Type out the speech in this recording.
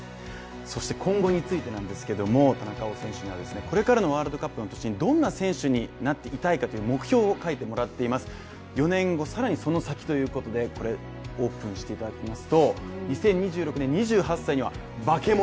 そして今後についてなんですけど田中碧選手には、これからのワールドカップに向けどんな選手になっていたいかという目標を書いてもらっています。４年後、更にその先ということでオープンしていただきますと２０２６年２８歳には、化け物。